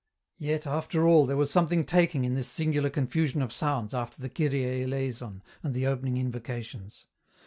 Yet, after all, there was something taking in this singular confusion of sounds after the " Kyrie eleison " and the open ing invocations.